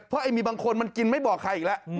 เพราะไอ้มีบางคนมันกินไม่บอกใครอีกแล้ว